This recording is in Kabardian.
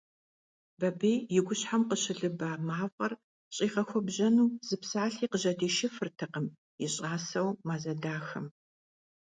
Бабий и гущхьэм къыщылыба мафӀэр щӀигъэхуэбжьэну зы псалъи къыжьэдишыфыртэкъым и щӀасэу Мазэ дахэм.